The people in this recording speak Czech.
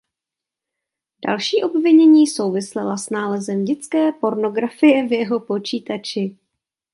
Další obvinění souvisela s nálezem dětské pornografie v jeho počítači.